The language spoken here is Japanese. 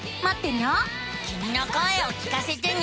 きみの声を聞かせてね。